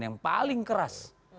yang paling keras